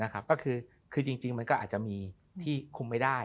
ก็คือจริงมันก็อาจจะมีที่คุมไม่ได้